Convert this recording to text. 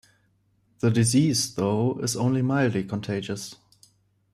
The disease, though, is only mildly contagious.